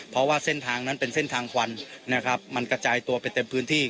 เพราะว่าเส้นทางนั้นเป็นเส้นทางควันนะครับมันกระจายตัวไปเต็มพื้นที่